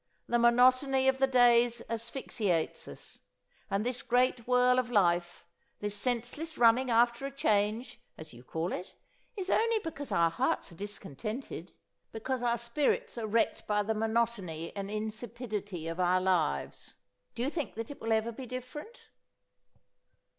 The monotony of the days asphyxiates us. And this great whirl of life, this senseless running after a change as you call it is only because our hearts are discontented, because our spirits are wrecked by the monotony and insipidity of our lives. Do you think that it will ever be different?"